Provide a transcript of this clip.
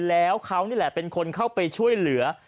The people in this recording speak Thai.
แล้วเขานี่แหละเป็นคนเข้าไปช่วยเหลือ